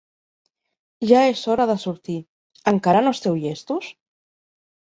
Ja és hora de sortir: encara no esteu llestos?